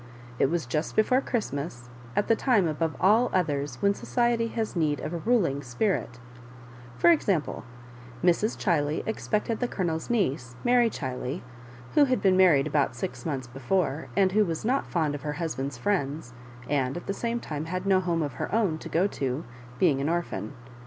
It was just before Christmas, at the time above all others when society has need of a ruling spirit For example, Mrs. Chi ley expected the Colonel's niece, Mary Chiley, who had been married about six months before, and who was not fond of her husband's friends, and at the same time had no home of her own to ^o to, being an orphan.